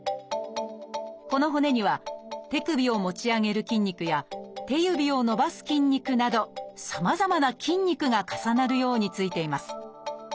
この骨には手首を持ち上げる筋肉や手指を伸ばす筋肉などさまざまな筋肉が重なるようについています。